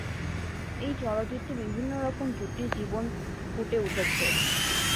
এই চলচ্চিত্রে বিভিন্ন রকম জুটির জীবন ফুটে উঠেছে।